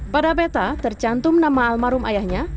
pada peta tercantum nama almarhum ayahnya